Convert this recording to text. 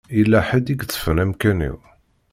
Yella ḥedd i yeṭṭfen amkan-iw.